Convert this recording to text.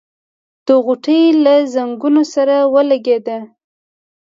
د غوټۍ له ځنګنو سره ولګېد.